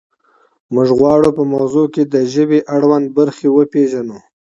موږ غواړو په مغزو کې د ژبې اړوند برخې وپیژنو